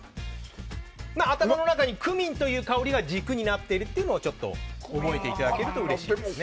頭の中にクミンという香りが軸になっているというのを覚えていただけるとうれしいです。